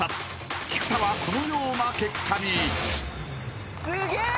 ［菊田はこのような結果に］